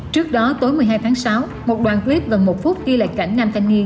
trước đó tối một mươi hai tháng sáu một đoàn clip gần một phút ghi lại cảnh nam thanh niên